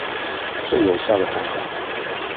最有效的方法